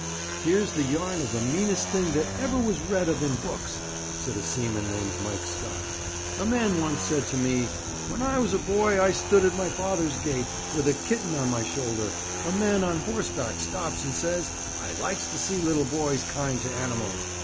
'Here's the yarn of the meanest thing that ever was read of in books,' said a seaman named Mike Scott. 'A man once said to me: "When I was a boy, I stood at my father's gate, with a kitten on my shoulder. A man on horseback stops and says: 'I likes to see little boys kind to animals.